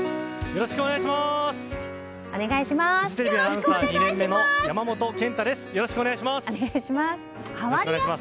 よろしくお願いします！